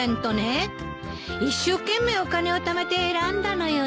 一生懸命お金をためて選んだのよね。